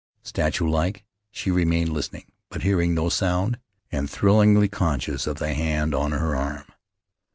Statue like she remained listening; but hearing no sound, and thrillingly conscious of the hand on her arm.